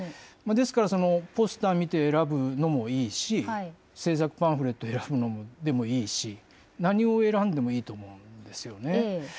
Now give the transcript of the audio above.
ですから、そのポスター見て選ぶのもいいし、政策パンフレット選ぶのでもいいし、何を選んでもいいと思うんですよね。